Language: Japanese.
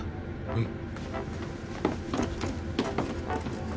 うん。